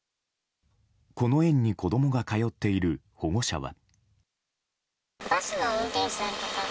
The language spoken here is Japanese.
この園に子供が通っている保護者は。